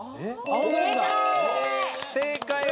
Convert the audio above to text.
正解！